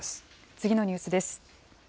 次のニュースです。